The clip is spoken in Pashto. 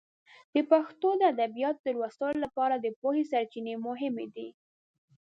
د پښتو د ادبیاتو د لوستلو لپاره د پوهې سرچینې مهمې دي.